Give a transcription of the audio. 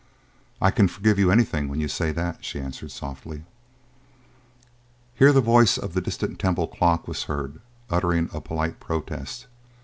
"I can forgive you anything when you say that," she answered softly. Here the voice of the distant Temple clock was heard uttering a polite protest.